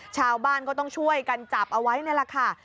ชาวบ้านก็ต้องช่วยกันจับเอาไว้นี่แหละค่ะ